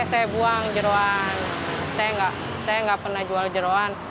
saya buang jeruang saya nggak pernah jual jeruang